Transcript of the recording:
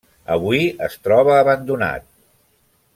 Avui es troba abandonat.